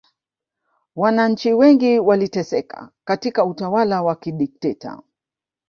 wananchi wengi waliteseka katika utawala wa kidikteta